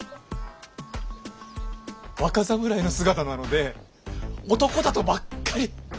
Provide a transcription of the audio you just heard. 若侍の姿なので男だとばっかり。